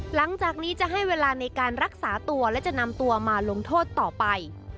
หลังจากนี้จะให้เวลาในการรักษาตัวและจะนำตัวมาลงโทษต่อไป